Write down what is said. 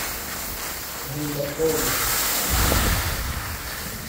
nkunda pome